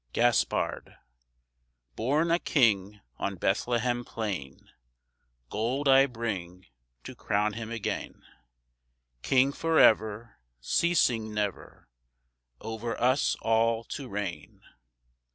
Gaspard: Born a king on Bethlehem plain, Gold I bring to crown Him again; King forever, Ceasing never Over us all to reign.